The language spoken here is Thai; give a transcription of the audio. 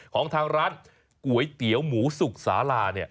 ของทางร้านก๋วยเตี๋ยวหมูสุกสาลา